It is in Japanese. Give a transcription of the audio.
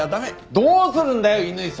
どうするんだよ乾さん！